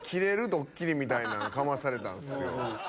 ドッキリみたいなんかまされたんすよ。